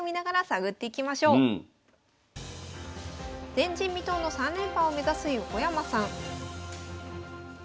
前人未到の３連覇を目指す横山さん。